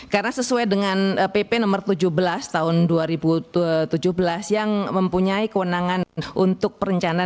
karena sesuai dengan pp no tujuh belas tahun dua ribu tujuh belas yang mempunyai kewenangan untuk perencanaan